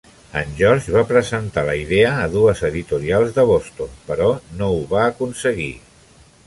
En George va presentar la idea a dues editorials de Boston, però no ho va aconseguir.